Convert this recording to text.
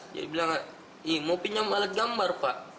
dia bilang mau pinjam alat gambar pak